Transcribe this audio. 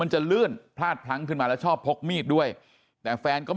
จะลื่นพลาดพลั้งขึ้นมาแล้วชอบพกมีดด้วยแต่แฟนก็